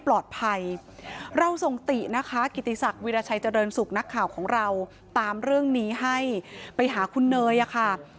เราส่งตินะคะกิติศักดิราชัยเจริญสุขนักข่าวของเราตามเรื่องนี้ให้ไปหาคุณเนยอะค่ะ